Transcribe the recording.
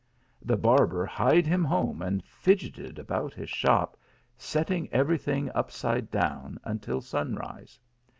The. barber hied him home and fidgeted about his shop, setting every thing upside down, until sun rise.